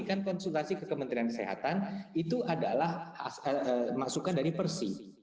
kan konsultasi ke kementerian kesehatan itu adalah masukan dari persi